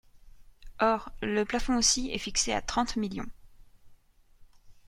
Or, le plafond aussi est fixé à trente millions.